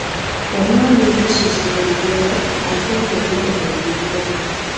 Omwami tasuzibwa njala ate ng'emmere agigula.